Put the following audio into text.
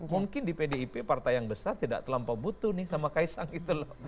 mungkin di pdip partai yang besar tidak terlampau butuh nih sama kaisang gitu loh